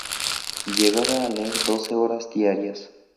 Llegaba a leer doce horas diarias.